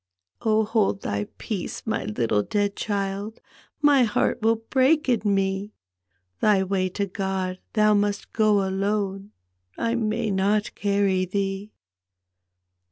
" Oh, hold thy peace, my litde dead child. My heart will break in me! Thy way to God thou must go alone, I may not carry thee